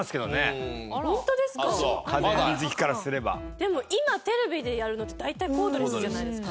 でも今テレビでやるのって大体コードレスじゃないですか。